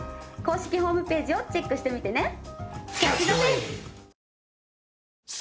公式ホームページをチェックしてみてね。